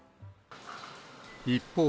一方、